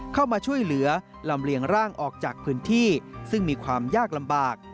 เข้ามาช่วยเหลือลำเลียงร่างออกจากพื้นที่ซึ่งมีความยากลำบาก